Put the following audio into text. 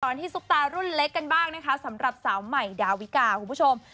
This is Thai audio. ที่ซุปตารุ่นเล็กกันบ้างนะคะสำหรับสาวใหม่ดาวิกาคุณผู้ชม